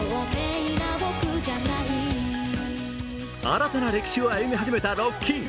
新たな歴史を歩み始めたロッキン。